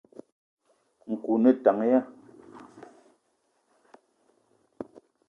Nkou o ne tank ya ?